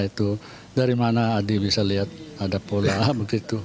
itu dari mana adi bisa lihat ada pola begitu